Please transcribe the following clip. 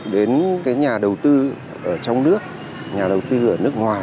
đến cái nhà đầu tư ở trong nước nhà đầu tư ở nước ngoài